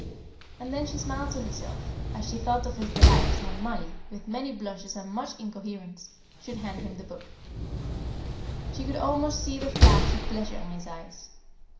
And then she smiled to herself as she thought of his delight when Mollie, with many blushes and much incoherence, should hand him the book; she could almost see the flash of pleasure in his eyes.